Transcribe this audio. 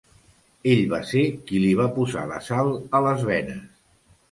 Ell va ser qui li va posar la sal a les venes.